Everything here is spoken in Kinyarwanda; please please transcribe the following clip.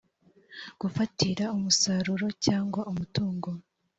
gufatira umusaruro cyangwa umutungo